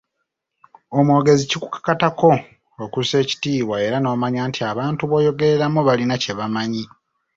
Omwogezi kikukakatako okussa ekitiibwa era n’omanya nti abantu b’oyogereramu balina kye bamanyi.